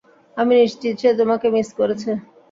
আমি নিশ্চিত সে তোমাকে মিস করেছে।